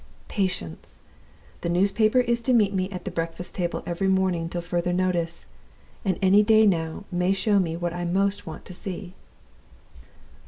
Patience! The newspaper is to meet me at the breakfast table every morning till further notice; and any day now may show me what I most want to see."